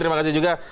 terima kasih juga